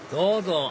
どうぞ！